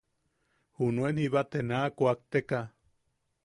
Junuen jiba te na kuakte- ka.